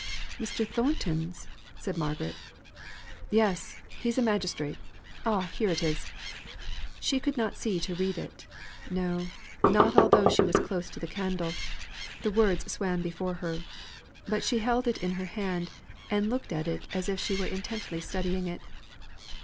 "Mr. Thornton's!" said Margaret. "Yes! he's a magistrate ah! here it is." She could not see to read it no, not although she was close to the candle. The words swam before her. But she held it in her hand, and looked at it as if she were intently studying it.